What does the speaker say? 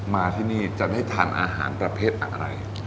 มาที่นี่จะได้ทานอาหารประเภทอะไร